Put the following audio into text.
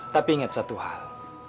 tapi ingat satu hal